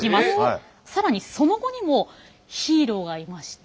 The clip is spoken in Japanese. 更にその後にもヒーローがいまして。